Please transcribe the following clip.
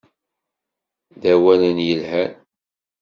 D awalen i yelhan.